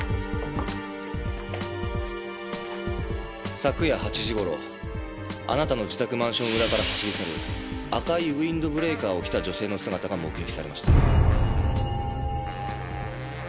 昨夜８時頃あなたの自宅マンション裏から走り去る赤いウィンドブレーカーを着た女性の姿が目撃されました。